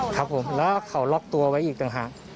ครับผมแล้วเขาล็อกตัวไว้อีกต่างหาก